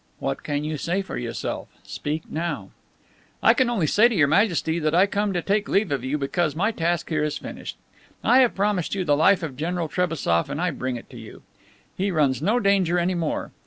"What can you say for yourself? Speak now." "I can only say to Your Majesty that I come to take leave of you because my task here is finished. I have promised you the life of General Trebassof, and I bring it to you. He runs no danger any more!